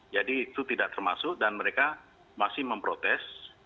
jadi itu tidak termasuk dan mereka masih memprotes